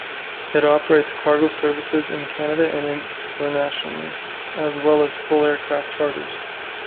It operates cargo services in Canada and internationally, as well as full aircraft charters.